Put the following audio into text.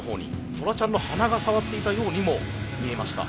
トラちゃんの鼻が触っていたようにも見えました。